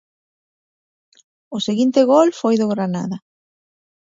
O seguinte gol foi do Granada.